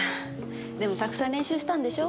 でもたくさん練習したんでしょ？